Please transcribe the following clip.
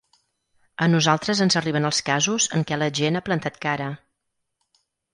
A nosaltres ens arriben els casos en què la gent ha plantat cara.